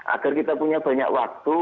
agar kita punya banyak waktu